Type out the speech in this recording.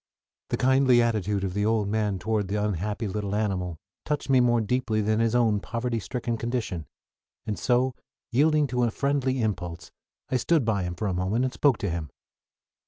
The kindly attitude of the old man toward the unhappy little animal touched me more deeply than his own poverty stricken condition, and so, yielding to a friendly impulse, I stood by him for a moment and spoke to him.